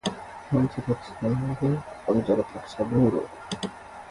मान्छे ताक्छ मुडो, बन्च्-रो ताक्छ घुडो